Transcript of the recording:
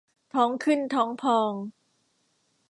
ท้องขึ้นท้องพอง